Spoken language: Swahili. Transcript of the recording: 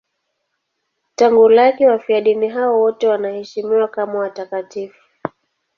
Tangu kale wafiadini hao wote wanaheshimiwa kama watakatifu.